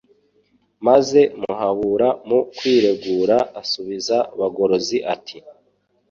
maze Muhabura mu kwiregura asubiza Bagorozi ati “